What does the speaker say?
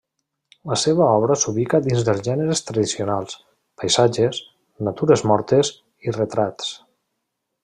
La seva obra s'ubica dins dels gèneres tradicionals: paisatges, natures mortes i retrats.